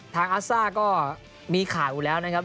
อัสซ่าก็มีข่าวอยู่แล้วนะครับ